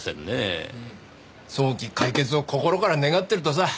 早期解決を心から願っているとさ。